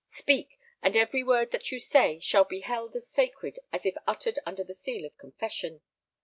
Speak; and every word that you say shall be held as sacred as if uttered under the seal of confession."